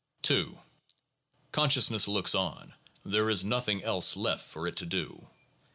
II. "Consciousness looks on; there is nothing else left for it to do."